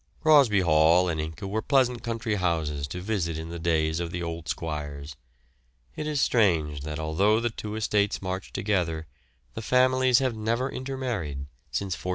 Crosby Hall and Ince were pleasant country houses to visit in the days of the old squires. It is strange that although the two estates march together the families have never inter married since 1401.